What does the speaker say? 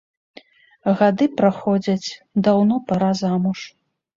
Гады праходзяць, даўно пара замуж.